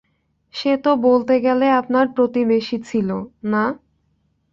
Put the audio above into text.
সে তো বলতে গেলে আপনার প্রতিবেশী ছিল, না?